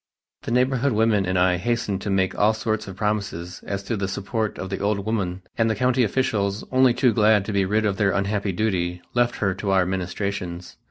The neighborhood women and I hastened to make all sorts of promises as to the support of the old woman and the country officials, only too glad to be rid of their unhappy duty, left her to our ministrations.